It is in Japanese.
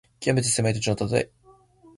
きわめて狭い土地のたとえ。